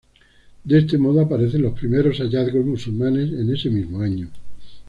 De este modo aparecen los primeros hallazgos musulmanes en ese mismo año.